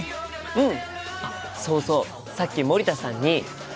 うん。